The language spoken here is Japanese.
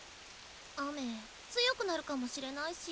雨強くなるかもしれないし。